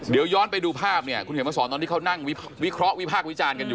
เดี๋ยวย้อนไปดูภาพเนี่ยคุณเขียนมาสอนตอนที่เขานั่งวิเคราะห์วิพากษ์วิจารณ์กันอยู่